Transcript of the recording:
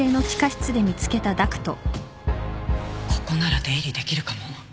ここなら出入りできるかも